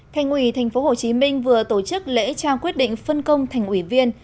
thành ủy tp hcm vừa tổ chức lễ trao quyết định phân công thành ủy viên